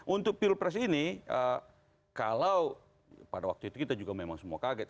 untuk pilpres ini kalau pada waktu itu kita juga memang semua kaget